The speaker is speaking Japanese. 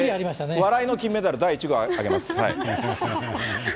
笑いの金メダル第１号あげます。